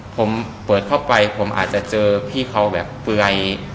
ผมเปิดเข้าไปผมอาจจะเจอพี่เขาแบบเปื่อย